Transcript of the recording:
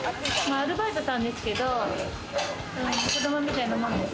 アルバイトですけど、子どもみたいなもんです。